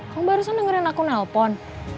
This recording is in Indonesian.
kamu barusan dengerin aku nelpon